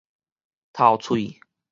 頭喙